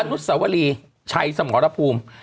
อกไตรนุสสวลีชัยสมรภูมิ